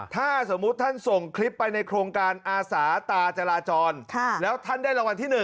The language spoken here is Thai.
ถ้าสมมุติท่านส่งคลิปไปในโครงการอาสาตาจราจรแล้วท่านได้รางวัลที่๑